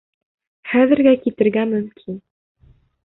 Хәҙергә китергә мөмкин.